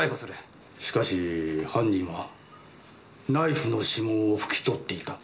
しかし犯人はナイフの指紋を拭き取っていた。